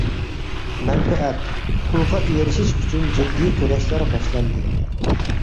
مەنپەئەت، پۇلغا ئېرىشىش ئۈچۈن جىددىي كۈرەشلەر باشلاندى.